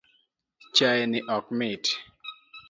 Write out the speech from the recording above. Chai ni ok mita